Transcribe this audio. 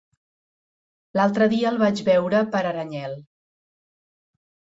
L'altre dia el vaig veure per Aranyel.